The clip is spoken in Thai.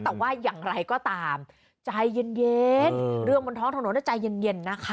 แต่ว่าอย่างไรก็ตามใจเย็นเรื่องบนท้องถนนใจเย็นนะคะ